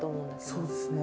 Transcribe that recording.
そうですね。